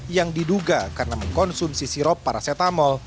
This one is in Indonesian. yang diduga karena mengkonsumsi sirop paracetamol